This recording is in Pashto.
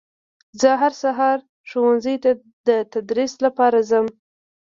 زه هر سهار ښوونځي ته در تدریس لپاره ځم